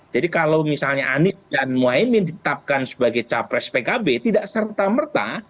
jadi kalau misalnya anies dan muhaymin ditetapkan sebagai capres pkb tidak serta merta